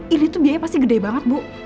ini tuh biaya pasti gede banget bu